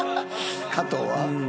加藤は？